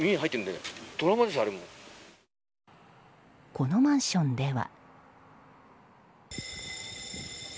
このマンションでは。